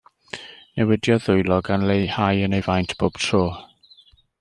Newidiodd ddwylo, gan leihau yn ei faint pob tro.